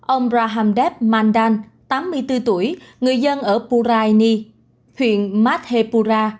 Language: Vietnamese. ông rahamdev mandan tám mươi bốn tuổi người dân ở puraini huyện madhepura